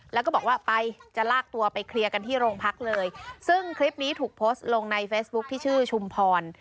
แล้วก็บอกว่าไปจะลากตัวไปเคลียร์กันที่โรงพักเลยซึ่งคลิปนี้ถูกโพสต์ลงในเฟซบุ๊คที่ชื่อชุมพร